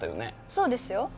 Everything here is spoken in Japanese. そうですよ。